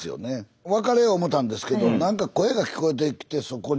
別れよう思ったんですけど何か声が聞こえてきてそこに。